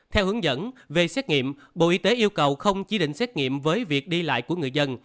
theo hướng dẫn về xét nghiệm bộ y tế yêu cầu không chỉ định xét nghiệm với việc đi lại của người dân